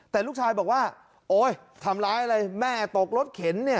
แต่ลูกชายบอกว่าโอ๊ยทำร้ายอะไรแม่ตกรถเข็นเนี่ย